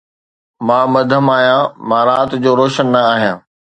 مان مدھم آھيان، مان رات جو روشن نه آھيان